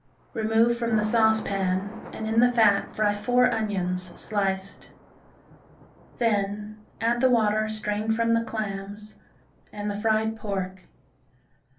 Remove from the saucepan and in the fat fry four onions sliced. Then add the water strained from the clams and the fried pork.